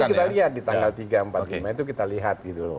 maka nanti kita lihat di tanggal tiga empat lima itu kita lihat gitu loh